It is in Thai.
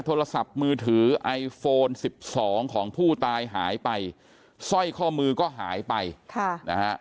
โทรศัพท์มือถือไอโฟนสิบสองของผู้ตายหายไปสร้อยข้อมือก็หายไปค่ะนะฮะ